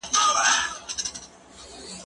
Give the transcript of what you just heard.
زه به سبا بوټونه پاکوم؟